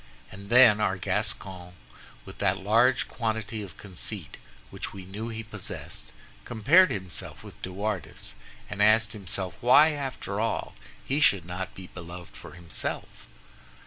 And then our Gascon, with that large quantity of conceit which we know he possessed, compared himself with De Wardes, and asked himself why, after all, he should not be beloved for himself?